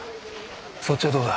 そっちはどうだ？